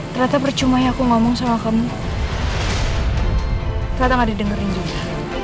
ternyata percuma yang aku ngomong sama kamu ternyata gak didengarkan juga